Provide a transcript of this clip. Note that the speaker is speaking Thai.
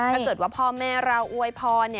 ถ้าเกิดว่าพ่อแม่เราอวยพร